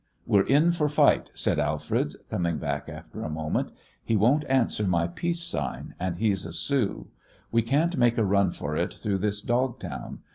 "We're in for fight," said Alfred, coming back after a moment. "He won't answer my peace sign, and he's a Sioux. We can't make a run for it through this dog town.